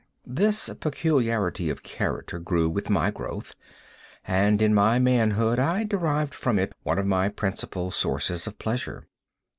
This peculiarity of character grew with my growth, and in my manhood, I derived from it one of my principal sources of pleasure.